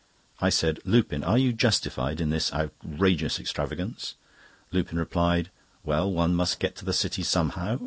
I said: "Lupin, are you justified in this outrageous extravagance?" Lupin replied: "Well, one must get to the City somehow.